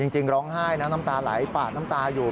จริงร้องไห้นะน้ำตาไหลปาดน้ำตาอยู่